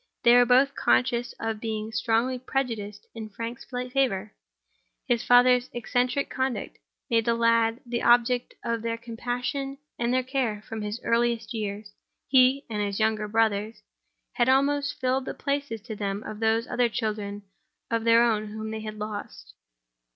They were both conscious of being strongly prejudiced in Frank's favor. His father's eccentric conduct had made the lad the object of their compassion and their care from his earliest years. He (and his younger brothers) had almost filled the places to them of those other children of their own whom they had lost.